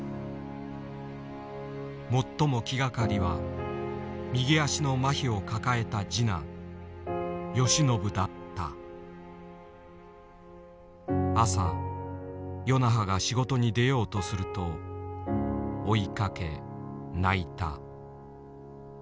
最も気がかりは右足のまひを抱えた朝与那覇が仕事に出ようとすると追いかけ泣いた。